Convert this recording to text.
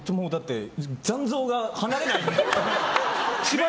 残像が離れないので。